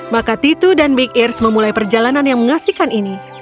maka titu dan big ears memulai perjalanan yang mengasihkan ini